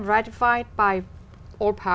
và tôi nghĩ đó sẽ